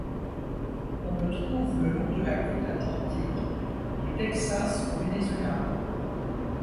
On le trouve le long de la côte Atlantique du Texas au Venezuela.